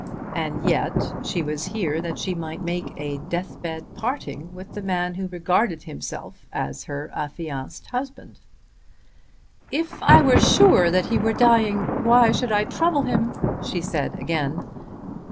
And yet she was here that she might make a deathbed parting with the man who regarded himself as her affianced husband. "If I were sure that he were dying, why should I trouble him?" she said again.